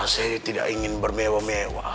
saya tidak ingin bermewah mewah